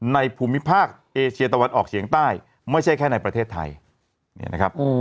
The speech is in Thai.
ภูมิภาคเอเชียตะวันออกเฉียงใต้ไม่ใช่แค่ในประเทศไทยเนี่ยนะครับ